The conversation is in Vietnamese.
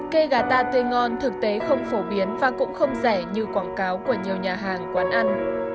cây gà ta tươi ngon thực tế không phổ biến và cũng không rẻ như quảng cáo của nhiều nhà hàng quán ăn